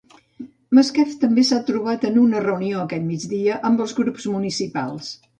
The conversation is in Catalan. Masquef també s'ha trobat en una reunió aquest migdia amb els grups municipals.